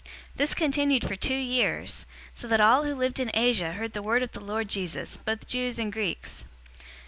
019:010 This continued for two years, so that all those who lived in Asia heard the word of the Lord Jesus, both Jews and Greeks.